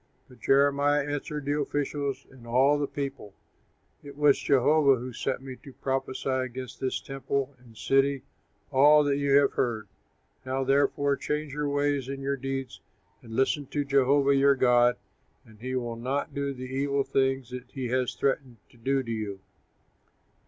But Jeremiah answered the officials and all the people, "It was Jehovah who sent me to prophesy against this temple and city all that you have heard. Now therefore change your ways and your deeds and listen to Jehovah your God; and he will not do the evil things that he has threatened to do to you.